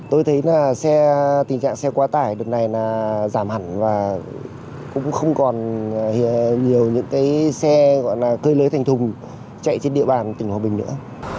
tôi thấy là tình trạng xe quá tải đợt này là giảm hẳn và cũng không còn nhiều những cái xe gọi là cơi thành thùng chạy trên địa bàn tỉnh hòa bình nữa